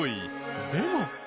でも。